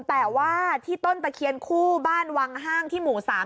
แต่ว่าที่ต้นตะเคียนคู่บ้านวังห้างที่หมู่๓